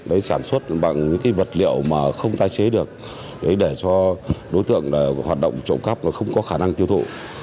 đấy sản xuất bằng những cái vật liệu mà không tái chế được để cho đối tượng hoạt động trộm cắp không có khả năng tiêu thụ